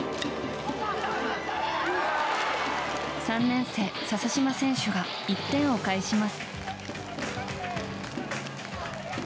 ３年生、ササジマ選手が１点を返します。